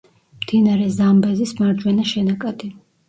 მდინარე ზამბეზის მარჯვენა შენაკადი.